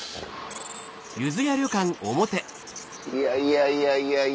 いやいやいやいや。